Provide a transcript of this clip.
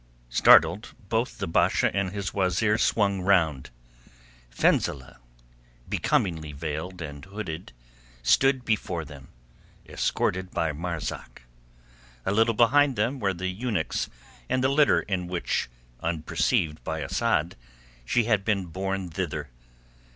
Startled, both the Basha and his wazeer swung round. Fenzileh, becomingly veiled and hooded, stood before them, escorted by Marzak. A little behind them were the eunuchs and the litter in which, unperceived by Asad, she had been borne thither.